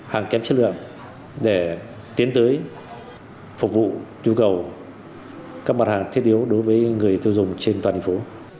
hàng kém chất lượng để tiến tới phục vụ nhu cầu các mặt hàng thiết yếu đối với người tiêu dùng trên toàn thành phố